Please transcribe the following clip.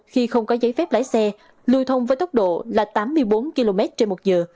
khi không có giấy phép lái xe lưu thông với tốc độ là tám mươi bốn km trên một giờ